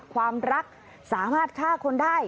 ความรักสามารถฆ่าคนได้